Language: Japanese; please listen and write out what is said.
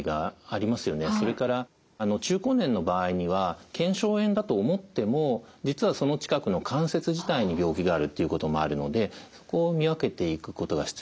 それから中高年の場合には腱鞘炎だと思っても実はその近くの関節自体に病気があるっていうこともあるのでそこを見分けていくことが必要だと思います。